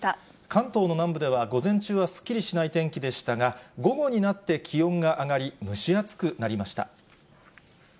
関東の南部では午前中はすっきりしない天気でしたが、午後になって気温が上がり、蒸し暑くなりました。